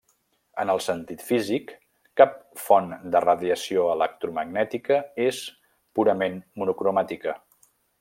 En el sentit físic, cap font de radiació electromagnètica és purament monocromàtica.